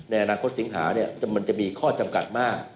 ในอนาคตสิงหามันจะมีข้อจำกัดมาก